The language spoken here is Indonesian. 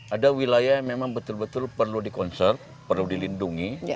ada wilayah yang memang betul betul perlu dikonsert perlu dilindungi